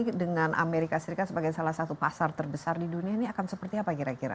jadi dengan amerika serikat sebagai salah satu pasar terbesar di dunia ini akan seperti apa kira kira